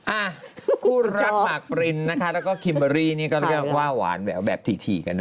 อ่ะคู่รักหมากปรินนะคะแล้วก็คิมเบอรี่นี่ก็เรียกว่าหวานแหววแบบถี่กันเน